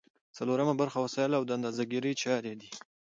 څلورمه برخه وسایل او د اندازه ګیری چارې دي.